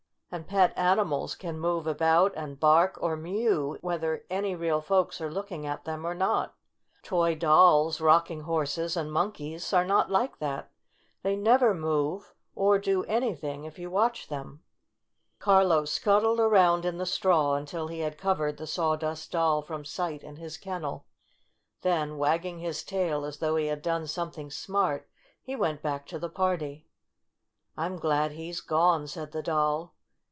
And pet animals can move about and bark or mew whether any real folks are looking at them or not. Toy dolls, rocking horses, and monkeys are not like that. They never move, or do any thing if you watch them. IN THE DOG HOUSE 65 Carlo scuttled around in the straw until he had covered the Sawdust Doll from sight in his kennel. Then, wagging his tail, as though he had done something smart, he went back to the party. "I'm glad he's gone," said the Doll.